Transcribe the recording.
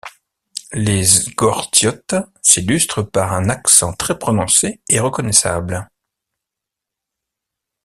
Les Zghortiotes s'illustrent par un accent très prononcé et reconnaissable.